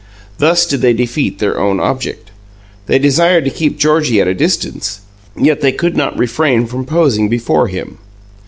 Thus did they defeat their own object. They desired to keep Georgie at a distance, yet they could not refrain from posing before him.